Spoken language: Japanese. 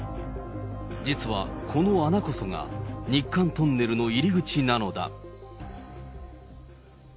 実はこの穴こそが、日韓トンネルの入り口なのだ。